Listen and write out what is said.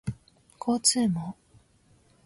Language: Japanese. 交通網